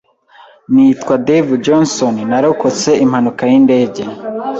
Nitwa Dave Jonsson narokotse impanuka y’indege.